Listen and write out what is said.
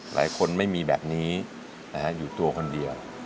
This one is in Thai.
หลายคนไม่มีแบบนี้นะครับอยู่ตัวคนเดียว